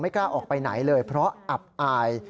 กล้าออกไปไหนเลยเพราะอับอาย